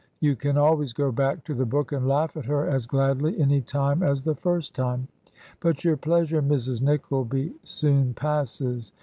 You can always go back to the book and laugh at her as gladly any time as the first time; but your pleasure in Mrs. Nickleby soon passes.